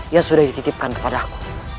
ya sudah dititipkan kepada aku